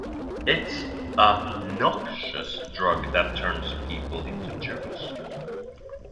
It's a noxious drug that turns people into jerks.